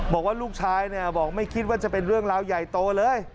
บอกว่าลูกชายเนี่ยบอกไม่คิดว่าจะเป็นเรื่องราวใหญ่โตเลย